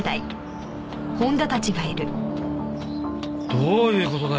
どういう事だ？